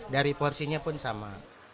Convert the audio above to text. dari porsinya pun sama